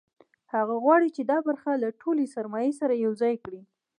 هغه غواړي چې دا برخه له ټولې سرمایې سره یوځای کړي